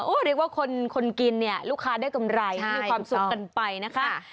เรียกว่าคนกินเนี่ยลูกค้าได้กำไรมีความสุขกันไปนะคะ